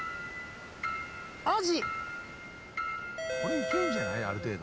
アジ。